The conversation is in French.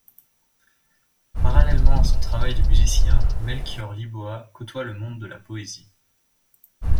Parallèlement à son travail de musicien, Melchior Liboà côtoie le monde de la poésie.